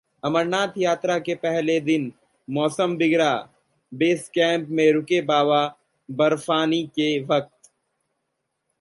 अमरनाथ यात्रा के पहले दिन मौसम बिगड़ा, बेसकैंप में रुके बाबा बर्फानी के भक्त